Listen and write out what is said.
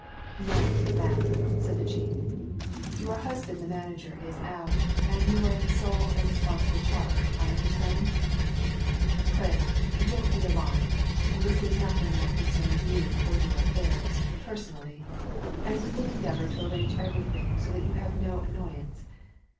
"Now, ma'am," said the chief, "your husband the manager is out, and you are in sole and responsible charge, I understand? Pray don't be alarmed this is nothing that concerns you or your affairs, personally, and we will endeavor to arrange everything so that you have no annoyance.